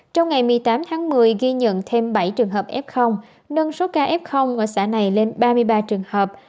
trong ngày một mươi tám tháng một mươi ghi nhận thêm bảy trường hợp f nâng số ca f ở xã này lên ba mươi ba trường hợp